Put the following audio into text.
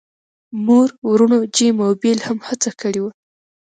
مور وروڼو جیم او بیل هم هڅه کړې وه